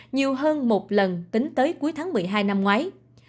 nhiều hơn một lần tính tới cuối tháng một mươi hai năm ngoái